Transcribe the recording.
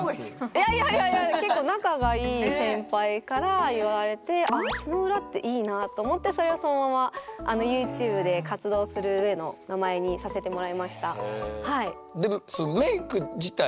いやいやいやいや結構仲がいい先輩から言われてと思ってそれをそのままユーチューブで活動するうえの名前にさせてもらいました。